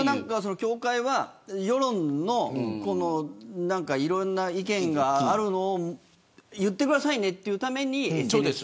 協会は世論のいろんな意見があるのを言ってくださいねと言うために。